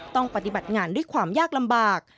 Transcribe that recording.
ต้องปฏิบัติงานด้วยความยากลำบาก